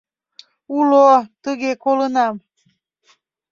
— Уло, тыге колынам.